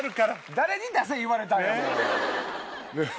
誰に「出せ」言われたんや。